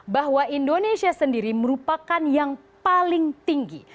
bahwa indonesia sendiri merupakan yang paling tinggi